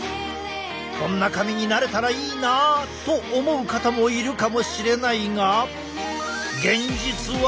こんな髪になれたらいいなと思う方もいるかもしれないが。